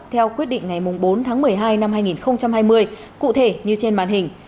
theo quyết định ngày bốn tháng một mươi hai năm hai nghìn hai mươi cụ thể như trên màn hình